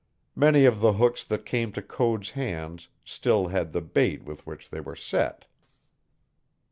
Many of the hooks that came to Code's hands still had the bait with which they were set.